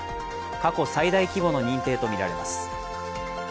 過去最大規模の認定とみられます。